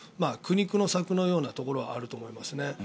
苦肉の策のようなところはあると思いますね。